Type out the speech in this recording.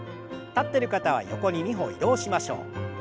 立ってる方は横に２歩移動しましょう。